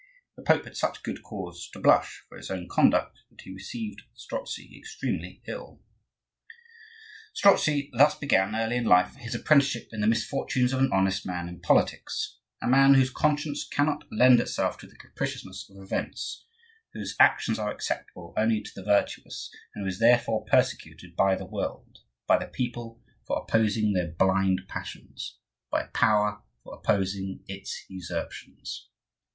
The Pope had such good cause to blush for his own conduct that he received Strozzi extremely ill. Strozzi thus began, early in life, his apprenticeship in the misfortunes of an honest man in politics,—a man whose conscience cannot lend itself to the capriciousness of events; whose actions are acceptable only to the virtuous; and who is therefore persecuted by the world,—by the people, for opposing their blind passions; by power for opposing its usurpations.